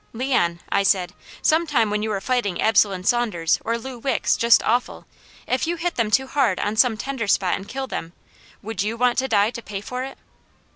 "Leon," I said, "some time when you are fighting Absalom Saunders or Lou Wicks, just awful, if you hit them too hard on some tender spot and kill them, would you want to die to pay for it?"